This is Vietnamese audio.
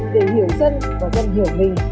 để hiểu dân và dân hiểu mình